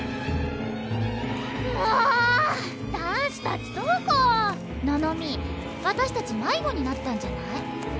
もう男子たちどこ？ののみ私たち迷子になったんじゃない？